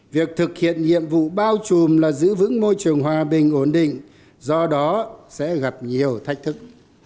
việc thực hiện nhiệm vụ bao trùm là giữ vững môi trường hòa bình ổn định do đó sẽ gặp nhiều thách thức